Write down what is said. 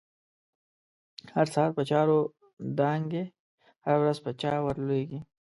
هر ساعت په چاور دانگی، هره ورځ په چا ورلویږی